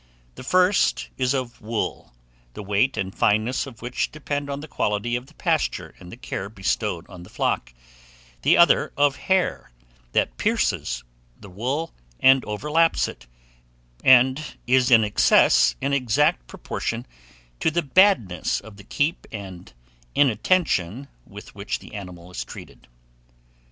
The first is of wool, the weight and fineness of which depend on the quality of the pasture and the care bestowed on the flock; the other of hair, that pierces the wool and overlaps it, and is in excess in exact proportion to the badness of the keep and inattention with which the animal is treated.